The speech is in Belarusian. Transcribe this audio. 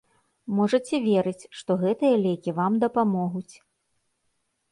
Можаце верыць, што гэтыя лекі вам дапамогуць.